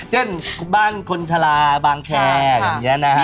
เช่นบ้านคนชะลาบางแคร์อย่างนี้นะฮะ